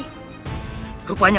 mereka sudah tahu